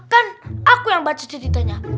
kan aku yang baca ceritanya